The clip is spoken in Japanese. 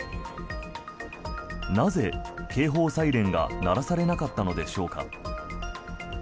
なぜ、警報サイレンが鳴らされなかったのでしょうか。